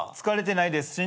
疲れてないです。